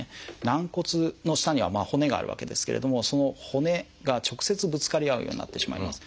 軟骨の下には骨があるわけですけれどもその骨が直接ぶつかり合うようになってしまいます。